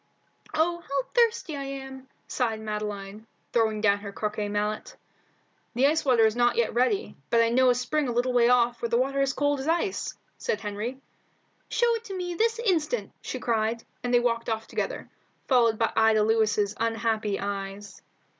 "Oh, how thirsty I am!" sighed Madeline, throwing down her croquet mallet. "The ice water is not yet ready, but I know a spring a little way off where the water is cold as ice," said Henry. "Show it to me this instant," she cried, and they walked off together, followed by Ida Lewis's unhappy eyes.